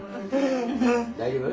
大丈夫？